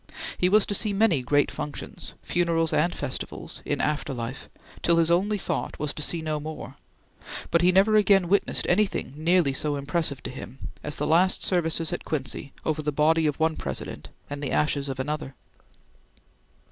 He was to see many great functions funerals and festival in after life, till his only thought was to see no more, but he never again witnessed anything nearly so impressive to him as the last services at Quincy over the body of one President and the ashes of another.